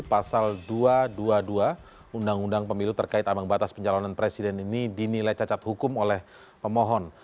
pasal dua ratus dua puluh dua undang undang pemilu terkait ambang batas pencalonan presiden ini dinilai cacat hukum oleh pemohon